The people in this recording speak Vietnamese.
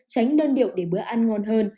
tránh đơn điệu để bữa ăn ngon hơn